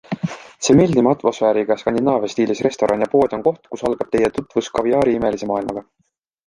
See meeldiva atmosfääriga skandinaavia stiilis restoran ja pood on koht, kust algab teie tutvus kaviaari imelise maailmaga.